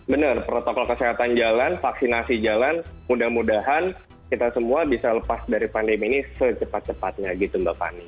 benar protokol kesehatan jalan vaksinasi jalan mudah mudahan kita semua bisa lepas dari pandemi ini secepat cepatnya gitu mbak fani